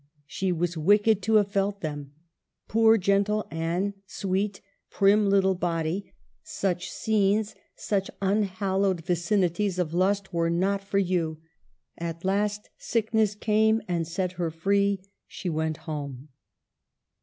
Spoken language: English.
She was wicked to have felt them. Poor, gentle Anne, sweet, "prim, little body," such scenes, such unhallowed vicinities of lust, were not for you ! At last sickness came and set her free. She went home.